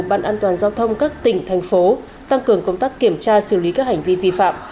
ban an toàn giao thông các tỉnh thành phố tăng cường công tác kiểm tra xử lý các hành vi vi phạm